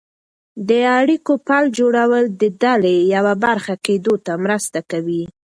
د اړیکو پل جوړول د ډلې یوه برخه کېدو ته مرسته کوي.